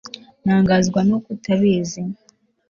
ntangazwa nuko utabizi